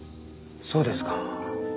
そうですか。